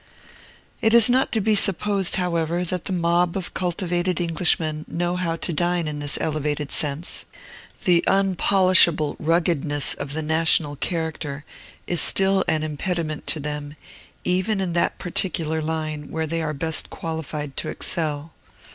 It is not to be supposed, however, that the mob of cultivated Englishmen know how to dine in this elevated sense. The unpolishable ruggedness of the national character is still an impediment to them, even in that particular line where they are best qualified to excel.